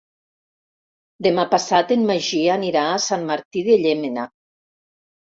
Demà passat en Magí anirà a Sant Martí de Llémena.